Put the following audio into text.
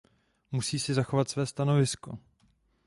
Musí si zachovat své stanovisko.